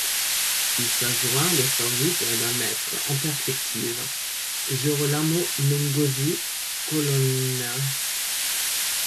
Il s'adjoint les services d'un maître en perspective, Gerolamo Mengozzi Colonna.